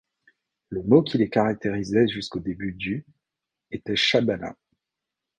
Le mot qui les caractérisait jusqu'au début du était chabana.